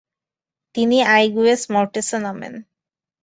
তিনি আইগুয়েস-মর্টেস-এ নামেন।